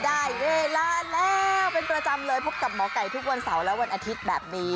ได้เวลาแล้วเป็นประจำเลยพบกับหมอไก่ทุกวันเสาร์และวันอาทิตย์แบบนี้